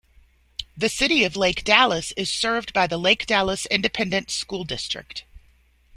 The City of Lake Dallas is served by the Lake Dallas Independent School District.